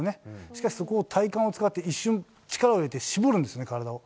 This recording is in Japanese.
しかし、そこを体幹を使って一瞬、力を入れて絞るんですね、体を。